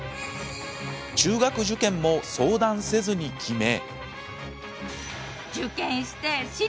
中学受験も相談せずに決め。